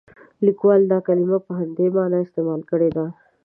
لیکوال دا کلمه په همدې معنا استعمال کړې ده.